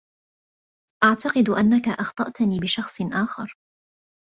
أعتقد أنك أخطأتني بشخص آخر.